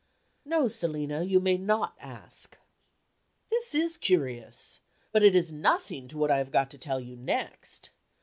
"No, Selina, you may not ask." This is curious; but it is nothing to what I have got to tell you next.